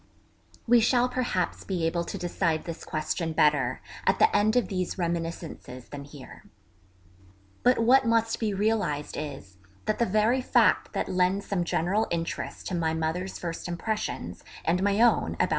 We shall perhaps be able to decide this question better at the end of these reminiscences than here. But what must be realised is, that the very fact that lends some general interest to my mother's first impressions and my own about M.